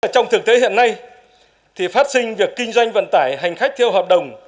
trong thực tế hiện nay phát sinh việc kinh doanh vận tải hành khách theo hợp đồng